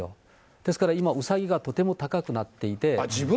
ですから今、うさぎがとても高くなっていて。